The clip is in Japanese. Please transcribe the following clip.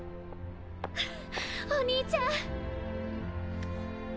ハッお兄ちゃん！